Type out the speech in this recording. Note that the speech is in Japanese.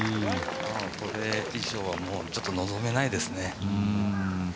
これ以上はちょっと望めないですね。